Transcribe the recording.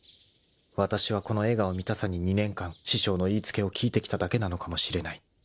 ［わたしはこの笑顔見たさに２年間師匠の言い付けを聞いてきただけなのかもしれない］